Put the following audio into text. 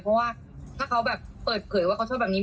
เพราะว่าถ้าเขาแบบเปิดเผยว่าเขาช่วยแบบนี้